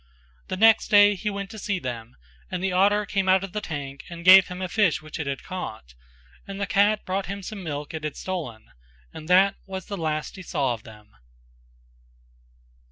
The next day he went to see them and the otter came out of the tank and gave him a fish which it had caught, and the cat brought him some milk it had stolen, and that was the last he saw of them.